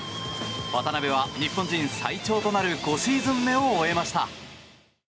渡邊は、日本人最長となる５シーズン目を終えました。